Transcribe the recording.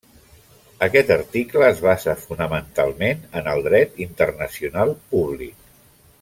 Aquest article es basa fonamentalment en el dret internacional públic.